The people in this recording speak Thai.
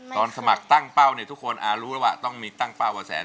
ตอนสมัครตั้งเป้าทุกคนรู้ว่าต้องมีตั้งเป้าว่าแสน